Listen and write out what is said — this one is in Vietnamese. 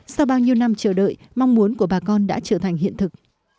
sau bao nhiêu năm chờ đợi mong muốn của bà con đã trở thành hiện thực